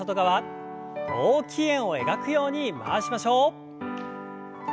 大きい円を描くように回しましょう。